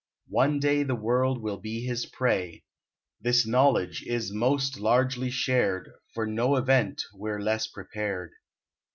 One day the world will be his prey: This knowledge is most largely shared; For no event we're less prepared.